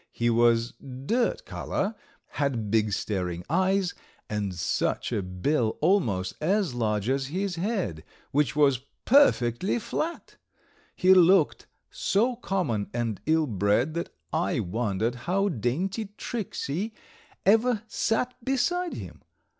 He was dirt color, had big staring eyes, and such a bill, almost as large as his head, which was perfectly flat. He looked so common and ill bred that I wondered how dainty Tricksey ever sat beside him.